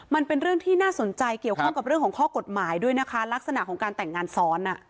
มันเป็นเรื่องที่น่าสนใจเกี่ยวข้องกับเรื่องของข้อกฎหมายด้วยนะคะลักษณะของการแต่งงานซ้อน